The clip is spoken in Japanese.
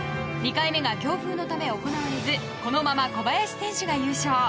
２回目が強風のため行われずこのまま小林選手が優勝。